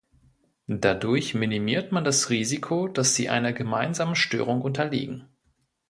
Dadurch minimiert man das Risiko, dass sie einer gemeinsamen Störung unterliegen.